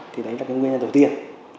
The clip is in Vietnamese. thì đấy là nguyên nhân đầu tiên